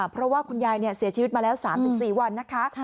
เพราะว่าคุณยายเสียชีวิตมาแล้ว๓๔วันนะคะ